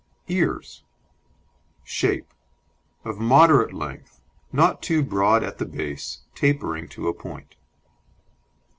EARS Shape: Of moderate length, not too broad at the base, tapering to a point.